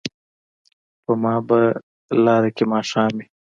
په ما به لاره کې ماښام وي